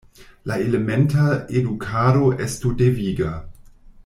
La elementa edukado estu deviga.